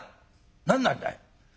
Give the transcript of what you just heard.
何なんだい。